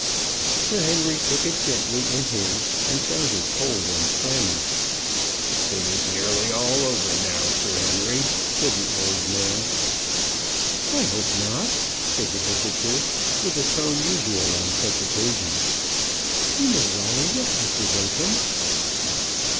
Sir Henry took it gently in his, and found it cold and clammy. "It is nearly all over now, Sir Henry," said the old man. "I hope not," said the visitor, with the tone usual on such occasions. "You may rally yet, Mr. Bertram."